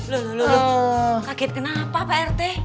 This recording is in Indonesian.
lho lho lho kaget kenapa pak rt